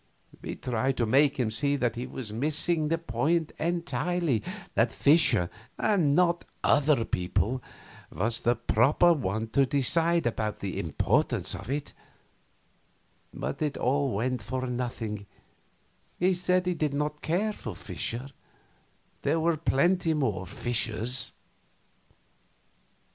We tried to make him see that he was missing the point entirely; that Fischer, and not other people, was the proper one to decide about the importance of it; but it all went for nothing; he said he did not care for Fischer there were plenty more Fischers.